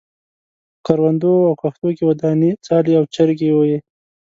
په کروندو او کښتو کې ودانې څالې او چرګۍ وې.